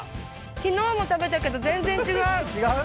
昨日も食べたけど全然違う。